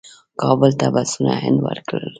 کابل ته بسونه هند ورکړل.